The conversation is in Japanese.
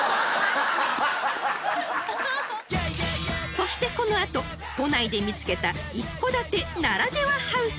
［そしてこの後都内で見つけた一戸建て「ならではハウス」］